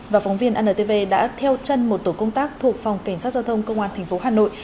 và phóng viên antv đã theo chân một tổ công tác thuộc phòng cảnh sát giao thông công an tp hà nội